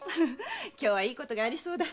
今日はいいことがありそうだ。